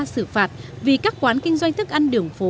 xử phạt vì các quán kinh doanh thức ăn đường phố